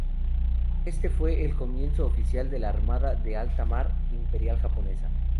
Éste fue el comienzo oficial de la Armada de alta mar Imperial Japonesa.